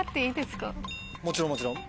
もちろんもちろん。